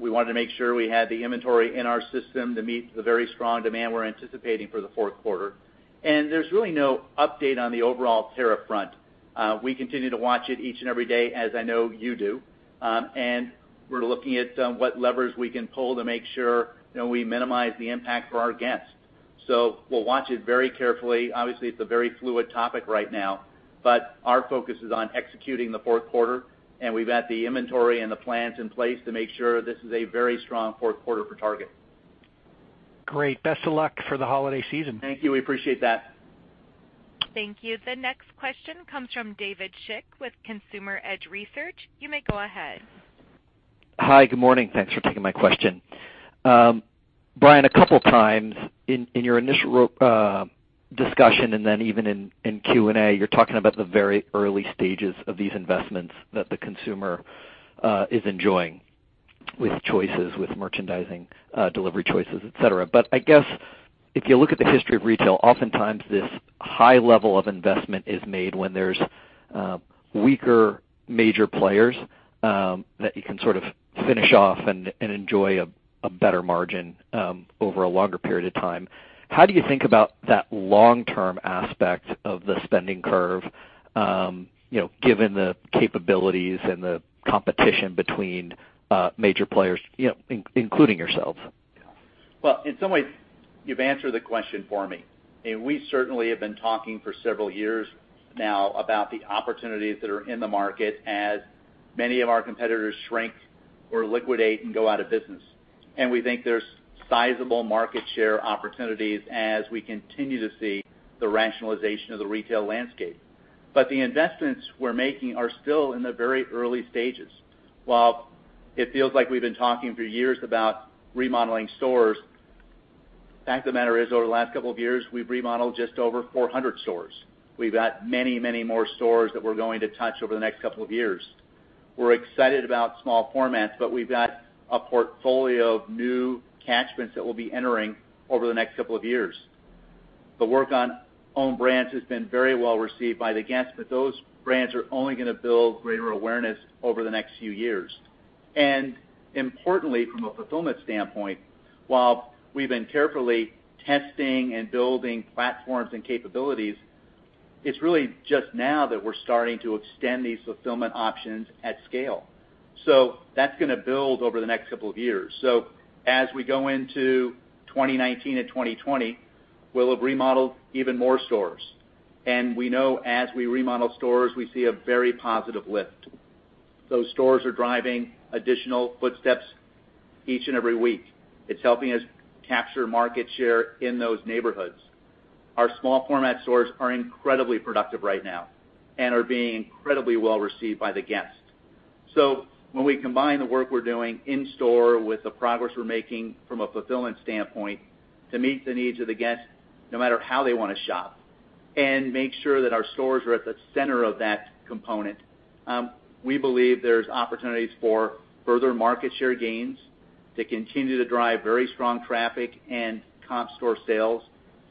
We wanted to make sure we had the inventory in our system to meet the very strong demand we're anticipating for the fourth quarter. There's really no update on the overall tariff front. We continue to watch it each and every day, as I know you do. We're looking at what levers we can pull to make sure we minimize the impact for our guests. We'll watch it very carefully. Obviously, it's a very fluid topic right now, but our focus is on executing the fourth quarter, and we've got the inventory and the plans in place to make sure this is a very strong fourth quarter for Target. Great. Best of luck for the holiday season. Thank you. We appreciate that. Thank you. The next question comes from David Schick with Consumer Edge Research. You may go ahead. Hi. Good morning. Thanks for taking my question. Brian, a couple times in your initial discussion, then even in Q&A, you're talking about the very early stages of these investments that the consumer is enjoying with choices, with merchandising, delivery choices, et cetera. I guess if you look at the history of retail, oftentimes this high level of investment is made when there's weaker major players that you can sort of finish off and enjoy a better margin over a longer period of time. How do you think about that long-term aspect of the spending curve given the capabilities and the competition between major players, including yourselves? Well, in some ways, you've answered the question for me. We certainly have been talking for several years now about the opportunities that are in the market as many of our competitors shrink or liquidate and go out of business. We think there's sizable market share opportunities as we continue to see the rationalization of the retail landscape. The investments we're making are still in the very early stages. While it feels like we've been talking for years about remodeling stores, fact of the matter is, over the last couple of years, we've remodeled just over 400 stores. We've got many more stores that we're going to touch over the next couple of years. We're excited about small formats, but we've got a portfolio of new catchments that we'll be entering over the next couple of years. The work on own brands has been very well received by the guests, those brands are only going to build greater awareness over the next few years. Importantly, from a fulfillment standpoint, while we've been carefully testing and building platforms and capabilities, it's really just now that we're starting to extend these fulfillment options at scale. That's going to build over the next couple of years. As we go into 2019 and 2020, we'll have remodeled even more stores. We know as we remodel stores, we see a very positive lift. Those stores are driving additional footsteps each and every week. It's helping us capture market share in those neighborhoods. Our small format stores are incredibly productive right now and are being incredibly well received by the guests. When we combine the work we're doing in store with the progress we're making from a fulfillment standpoint to meet the needs of the guests, no matter how they want to shop, and make sure that our stores are at the center of that component, we believe there's opportunities for further market share gains that continue to drive very strong traffic and comp store sales.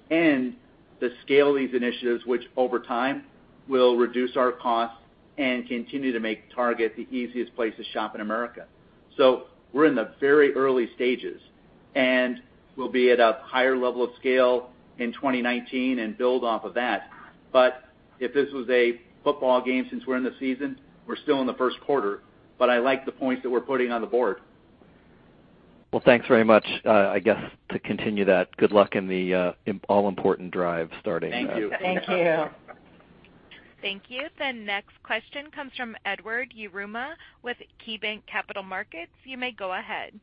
To scale these initiatives, which over time will reduce our costs and continue to make Target the easiest place to shop in America. We're in the very early stages, and we'll be at a higher level of scale in 2019 and build off of that. If this was a football game, since we're in the season, we're still in the first quarter, but I like the points that we're putting on the board. Thanks very much. I guess to continue that, good luck in the all-important drive starting. Thank you. Thank you. Thank you. The next question comes from Edward Yruma with KeyBanc Capital Markets. You may go ahead.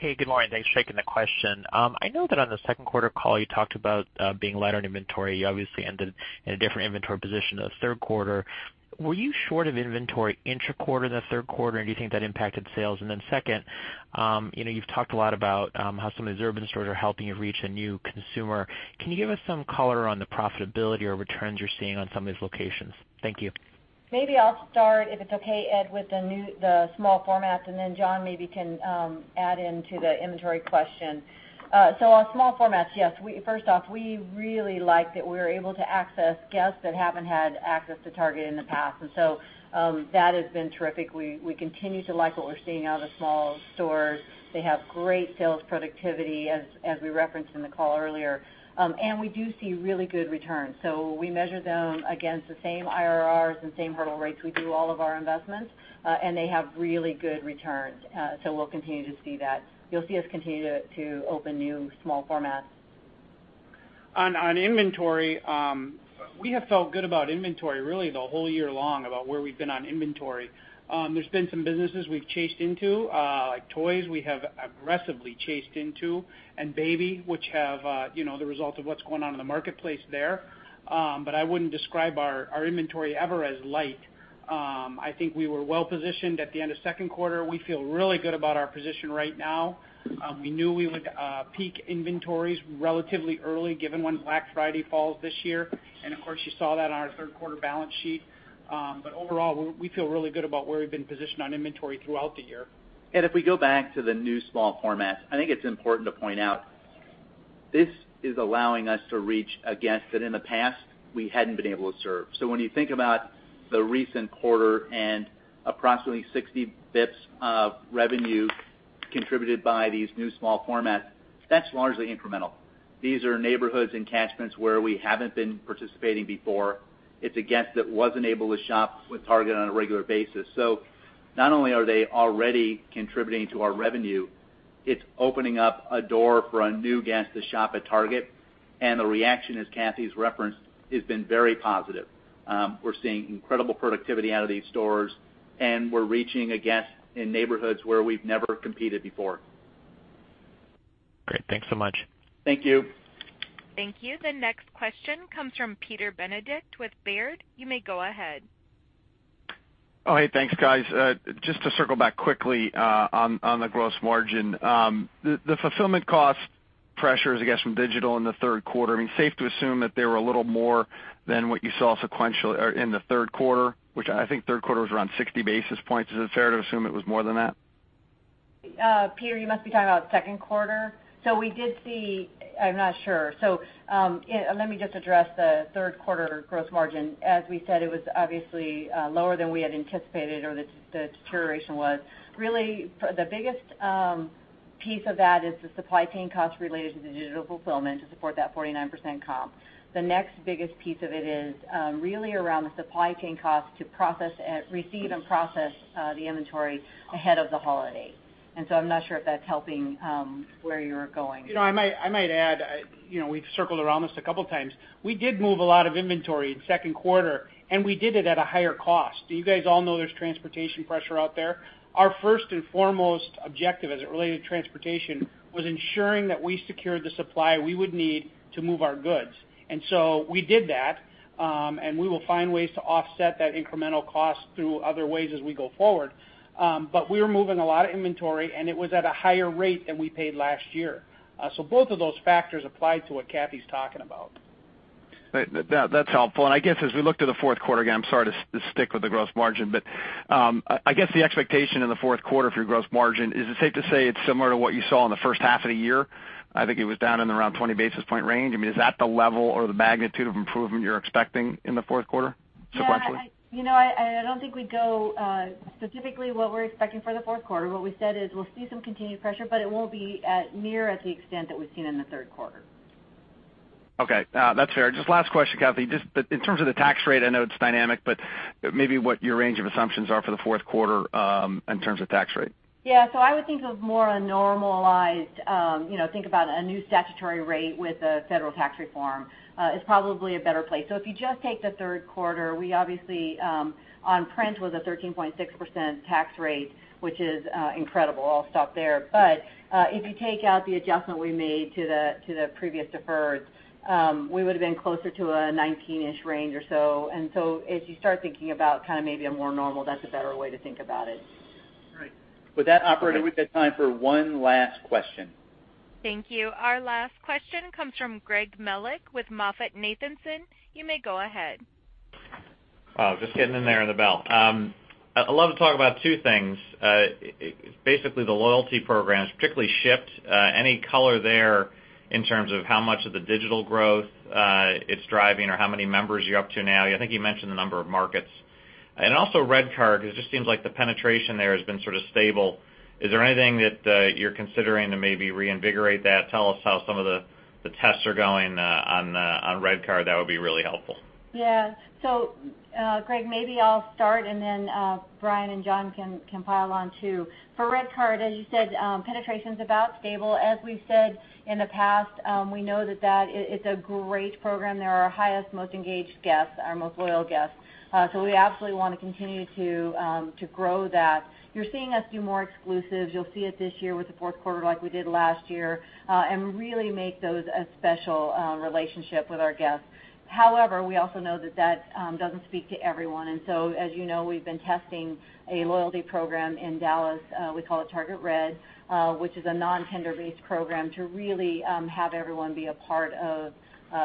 Hey, good morning. Thanks for taking the question. I know that on the second quarter call, you talked about being light on inventory. You obviously ended in a different inventory position the third quarter. Were you short of inventory intra-quarter in the third quarter? Do you think that impacted sales? Then second, you've talked a lot about how some of these urban stores are helping you reach a new consumer. Can you give us some color on the profitability or returns you're seeing on some of these locations? Thank you. Maybe I'll start, if it's okay, Ed, with the small formats, then John maybe can add into the inventory question. On small formats, yes. First off, we really like that we're able to access guests that haven't had access to Target in the past. That has been terrific. We continue to like what we're seeing out of the small stores. They have great sales productivity, as we referenced in the call earlier. We do see really good returns. We measure them against the same IRRs and same hurdle rates we do all of our investments, and they have really good returns. We'll continue to see that. You'll see us continue to open new small formats. On inventory, we have felt good about inventory really the whole year long about where we've been on inventory. There's been some businesses we've chased into, like toys we have aggressively chased into, and baby, which have the result of what's going on in the marketplace there. I wouldn't describe our inventory ever as light. I think we were well-positioned at the end of second quarter. We feel really good about our position right now. We knew we would peak inventories relatively early, given when Black Friday falls this year. Of course, you saw that on our third quarter balance sheet. Overall, we feel really good about where we've been positioned on inventory throughout the year. If we go back to the new small formats, I think it's important to point out this is allowing us to reach a guest that in the past we hadn't been able to serve. When you think about the recent quarter and approximately 60 basis points of revenue contributed by these new small formats, that's largely incremental. These are neighborhoods and catchments where we haven't been participating before. It's a guest that wasn't able to shop with Target on a regular basis. Not only are they already contributing to our revenue, it's opening up a door for a new guest to shop at Target. The reaction, as Cathy's referenced, has been very positive. We're seeing incredible productivity out of these stores. We're reaching a guest in neighborhoods where we've never competed before. Great. Thanks so much. Thank you. Thank you. The next question comes from Peter Benedict with Baird. You may go ahead. Oh, hey, thanks, guys. Just to circle back quickly on the gross margin. The fulfillment cost pressures, I guess, from digital in the third quarter, safe to assume that they were a little more than what you saw sequentially or in the third quarter? Which I think third quarter was around 60 basis points. Is it fair to assume it was more than that? Peter, you must be talking about second quarter. I'm not sure. Let me just address the third quarter gross margin. As we said, it was obviously lower than we had anticipated, or the deterioration was. Really, the biggest piece of that is the supply chain costs related to the digital fulfillment to support that 49% comp. The next biggest piece of it is really around the supply chain cost to receive and process the inventory ahead of the holiday. I'm not sure if that's helping where you're going. I might add, we've circled around this a couple times. We did move a lot of inventory in second quarter, and we did it at a higher cost. You guys all know there's transportation pressure out there. Our first and foremost objective as it related to transportation was ensuring that we secured the supply we would need to move our goods. We did that, and we will find ways to offset that incremental cost through other ways as we go forward. We were moving a lot of inventory, and it was at a higher rate than we paid last year. Both of those factors apply to what Cathy's talking about. That's helpful. I guess as we look to the fourth quarter, again, I'm sorry to stick with the gross margin, I guess the expectation in the fourth quarter for your gross margin, is it safe to say it's similar to what you saw in the first half of the year? I think it was down in around 20 basis point range. Is that the level or the magnitude of improvement you're expecting in the fourth quarter sequentially? Yeah. I don't think we go specifically what we're expecting for the fourth quarter. What we said is we'll see some continued pressure, it won't be near as the extent that we've seen in the third quarter. Okay. That's fair. Just last question, Cathy. Just in terms of the tax rate, I know it's dynamic, maybe what your range of assumptions are for the fourth quarter in terms of tax rate. Yeah. I would think of more a normalized, think about a new statutory rate with a federal tax reform is probably a better place. If you just take the third quarter, we obviously on print was a 13.6% tax rate, which is incredible. I'll stop there. If you take out the adjustment we made to the previous deferreds, we would've been closer to a 19-ish range or so. As you start thinking about maybe a more normal, that's a better way to think about it. Right. With that, operator, we've got time for one last question. Thank you. Our last question comes from Greg Melich with MoffettNathanson. You may go ahead. Wow, just getting in there on the bell. I'd love to talk about two things. Basically, the loyalty programs, particularly Shipt, any color there in terms of how much of the digital growth it's driving or how many members you're up to now? I think you mentioned the number of markets. Also RedCard, because it just seems like the penetration there has been sort of stable. Is there anything that you're considering to maybe reinvigorate that? Tell us how some of the tests are going on RedCard. That would be really helpful. Yeah. Greg, maybe I'll start, and then Brian and John can pile on, too. For RedCard, as you said, penetration's about stable. As we've said in the past, we know that that is a great program. They're our highest, most engaged guests, our most loyal guests. We absolutely want to continue to grow that. You're seeing us do more exclusives. You'll see it this year with the fourth quarter like we did last year, and really make those a special relationship with our guests. However, we also know that that doesn't speak to everyone. As you know, we've been testing a loyalty program in Dallas. We call it Target Red, which is a non-tender-based program to really have everyone be a part of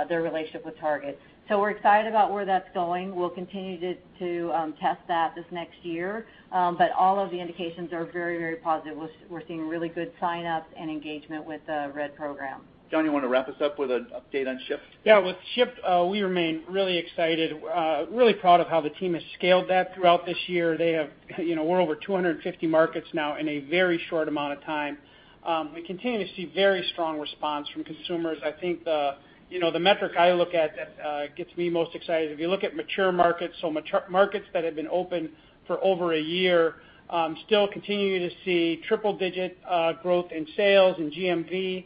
their relationship with Target. We're excited about where that's going. We'll continue to test that this next year. All of the indications are very positive. We're seeing really good sign-ups and engagement with the Red program. John, you want to wrap us up with an update on Shipt? Yeah. With Shipt, we remain really excited, really proud of how the team has scaled that throughout this year. We're over 250 markets now in a very short amount of time. We continue to see very strong response from consumers. I think the metric I look at that gets me most excited, if you look at mature markets, so markets that have been open for over one year, still continue to see triple-digit growth in sales and GMV.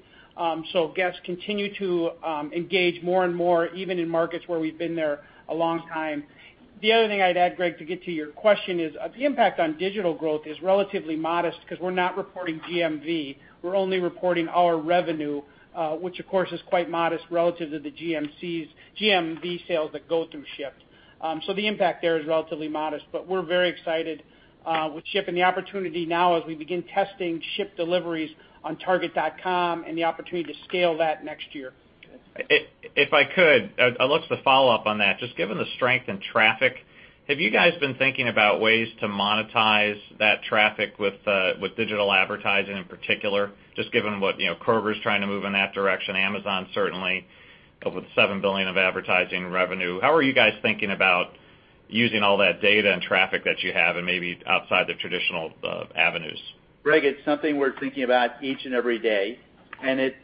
Guests continue to engage more and more, even in markets where we've been there a long time. The other thing I'd add, Greg, to get to your question is, the impact on digital growth is relatively modest because we're not reporting GMV. We're only reporting our revenue, which, of course, is quite modest relative to the GMV sales that go through Shipt. The impact there is relatively modest, but we're very excited with Shipt and the opportunity now as we begin testing Shipt deliveries on target.com and the opportunity to scale that next year. If I could, I'd love to follow up on that. Just given the strength in traffic, have you guys been thinking about ways to monetize that traffic with digital advertising in particular? Just given what Kroger's trying to move in that direction, Amazon certainly, up with $7 billion of advertising revenue. How are you guys thinking about using all that data and traffic that you have and maybe outside the traditional avenues? Greg, it's something we're thinking about each and every day. It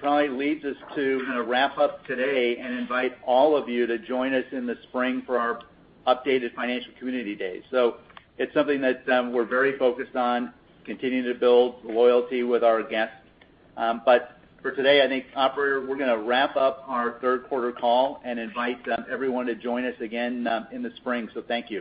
probably leads us to wrap up today and invite all of you to join us in the spring for our updated financial community day. It's something that we're very focused on, continuing to build loyalty with our guests. For today, I think, operator, we're going to wrap up our third quarter call and invite everyone to join us again in the spring. Thank you.